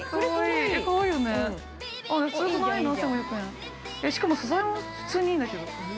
７５００円しかも素材も普通にいいんだけど。